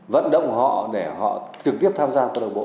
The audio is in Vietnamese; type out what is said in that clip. vận động họ để họ trực tiếp tham gia câu lạc bộ